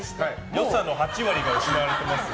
良さの８割が失われてますよ。